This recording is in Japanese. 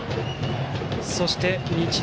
そして日大